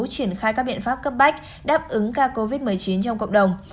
triển khai các biện pháp cấp bách đáp ứng ca covid một mươi chín trong cộng đồng